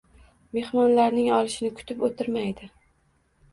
Mehmonlarning olishini kutib o‘tirmaydi.